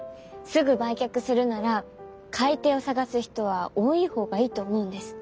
すぐ売却するなら買い手を探す人は多い方がいいと思うんです。